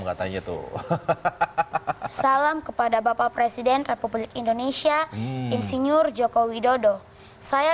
kayak gitu hahaha salam kepada bapak presiden republik indonesia insinyur joko widodo saya